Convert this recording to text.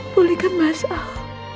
pulihkan mas al